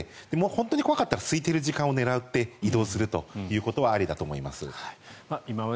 本当に怖かったらすいている時間を狙って移動するということはありだと思います。